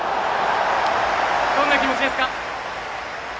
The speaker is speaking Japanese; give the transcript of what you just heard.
どんな気持ちですか？